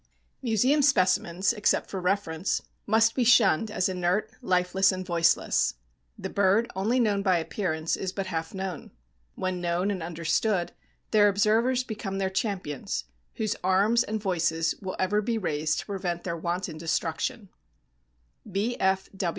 Museum specimens, except for reference, must be shunned as inert, lifeless and voiceless. The bird only known by appearance is but half known. When known and understood their observers become their champions whose arms and voices will ever be raised to prevent their wanton destruction.